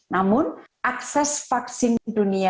namun akses vaksinnya tidak terlalu besar